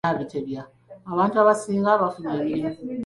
Abantu abasinga bafunye emirimu.